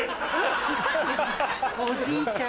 おじいちゃん。